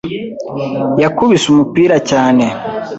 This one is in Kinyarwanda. yakubise umupira cyane.